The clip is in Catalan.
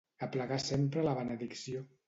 Aplegar sempre a la benedicció.